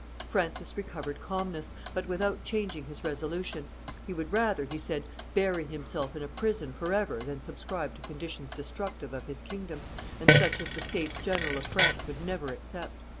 Francis recovered calmness, but without changing his resolution; he would rather, he said, bury himself in a prison forever than subscribe to conditions destructive of his kingdom, and such as the States General of France would never accept.